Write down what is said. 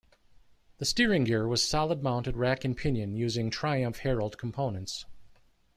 The steering gear was solid-mounted rack and pinion using Truimph Herald components.